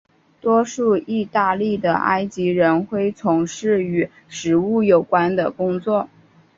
多数义大利的埃及人恢从事与食物有关的工作。